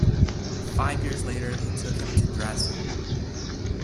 Five years later he took him to Dresden.